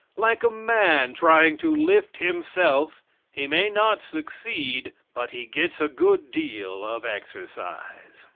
Like a man trying to lift himself, he may not succeed, but he gets a good deal of exercise.